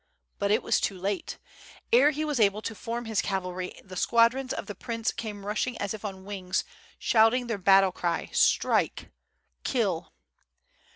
But it was too late. Ere he was able to form his cavalry the squadrons of the prince came rushing as if on wings shouting their battle cry "Strike! Kill!"